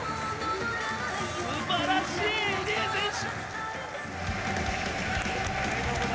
素晴らしい入江選手！